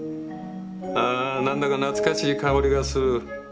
あなんだか懐かしい香りがする。